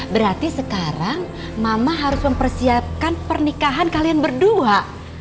berarti sekarang mama harus mempersiapkan pernikahan kalian berdua